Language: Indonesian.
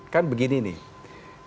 kan begini nih